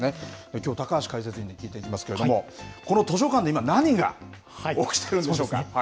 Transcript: きょう、高橋解説委員に聞いていきますけれども、この図書館で今、何が起きてるんでしょうか。